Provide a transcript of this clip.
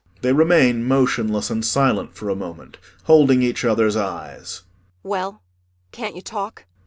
[They remain motionless and silent for a moment, holding each other's eyes.